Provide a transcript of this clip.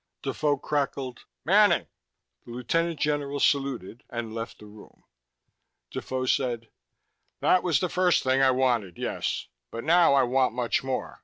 Defoe crackled: "Manning!" The lieutenant general saluted and left the room. Defoe said, "That was the first thing I wanted, yes. But now I want much more.